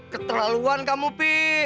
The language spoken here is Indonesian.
keterlaluan kamu pi